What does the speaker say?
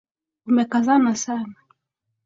Umekazana sana